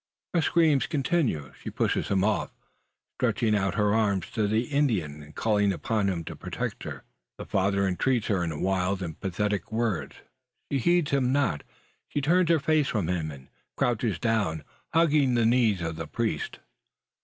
Her screams continue. She pushes him off, stretching out her arms to the Indian, and calling upon him to protect her! The father entreats her in wild and pathetic words. She heeds him not. She turns her face from him, and crouches down, hugging the knees of the priest!